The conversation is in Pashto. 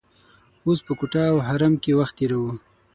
اوس په کوټه او حرم کې وخت تیروو.